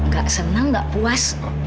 gak senang gak puas